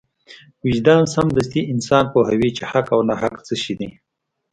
وجدان سمدستي انسان پوهوي چې حق او ناحق څه شی دی.